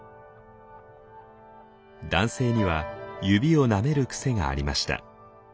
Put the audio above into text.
男性には指をなめる癖がありました。